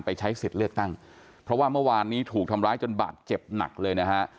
ใช้สิทธิ์เลือกตั้งเพราะว่าเมื่อวานนี้ถูกทำร้ายจนบาดเจ็บหนักเลยนะฮะ